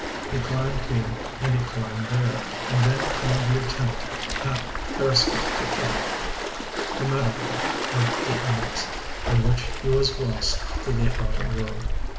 He climbed here and he climbed there, and then came the attempt on Parascotopetl, the Matterhorn of the Andes, in which he was lost to the outer world.